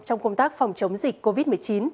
trong công tác phòng chống dịch covid một mươi chín